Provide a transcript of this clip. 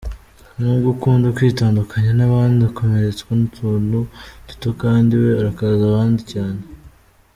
Nubwo akunda kwitandukanya n’abandi, akomeretswa n’utuntu duto kandi we arakaza abandi cyane.